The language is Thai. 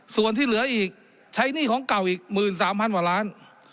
ส่วนที่เหลืออีกใช้หนี้ของเก่าอีก๑๓๐๐กว่าล้าน